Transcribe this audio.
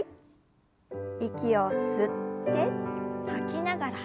息を吸って吐きながら横へ。